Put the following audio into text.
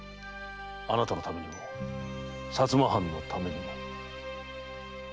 あなたのためにも薩摩藩のためにも。